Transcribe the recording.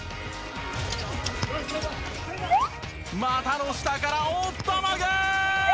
股の下からおったまげ！